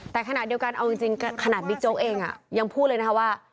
แต่ขณะเดียวกันเอาจริงขนาดบิ๊กโจ๊กเองยังพูดเลยนะคะว่า